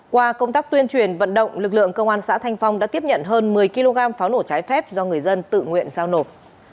qua công tác tuyên truyền vận động lực lượng công an xã thanh phong đã tiếp nhận hơn một mươi kg pháo nổ trái phép do người dân tự nguyện giao nộp